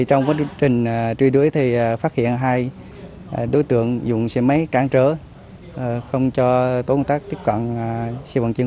trong quá trình truy đuối phát hiện hai đối tượng dùng xe máy cản trở không cho tổ công tác tiếp cận xe vận chuyển gỗ